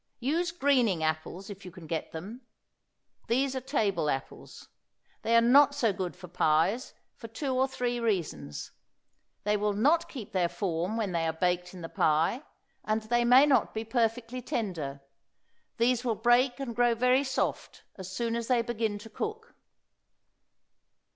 Use Greening apples if you can get them. These are table apples. They are not so good for pies for two or three reasons. They will not keep their form when they are baked in the pie, and they may not be perfectly tender. These will break and grow very soft as soon as they begin to cook.